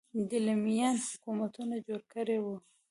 دیلمیان حکومتونه جوړ کړي وو